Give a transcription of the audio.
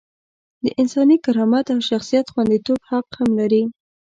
د انساني کرامت او شخصیت خونديتوب حق هم لري.